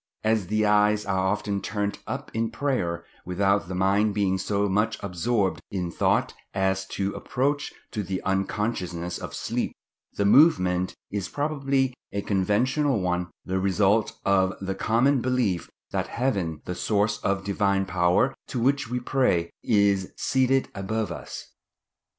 As the eyes are often turned up in prayer, without the mind being so much absorbed in thought as to approach to the unconsciousness of sleep, the movement is probably a conventional one—the result of the common belief that Heaven, the source of Divine power to which we pray, is seated above us.